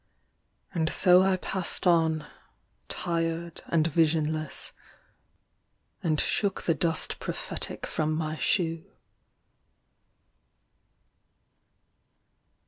And so I passed on, tired and visionless, and shook the dust prophetic from my shoe.